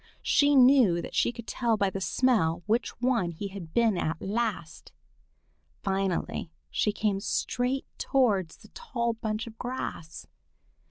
She knew that she could tell by the smell which one he had been at last. Finally she came straight towards the tall bunch of grass.